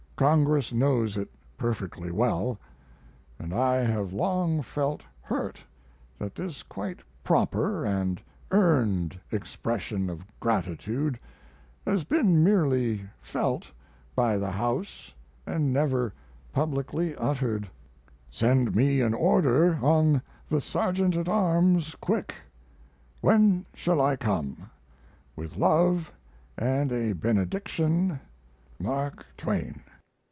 Congress knows it perfectly well, and I have long felt hurt that this quite proper and earned expression of gratitude has been merely felt by the House and never publicly uttered. Send me an order on the Sergeant at Arms quick. When shall I come? With love and a benediction; MARK TWAIN.